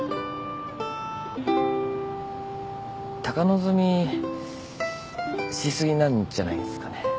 高望みし過ぎなんじゃないんすかね。